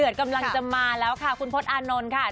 โอ้ใครก็ว่าถึงมา